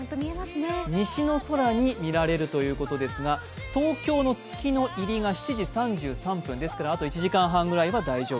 西の空に見られるということですが、東京の月の入りが７時３３分ですからあと１時間半ぐらいは大丈夫。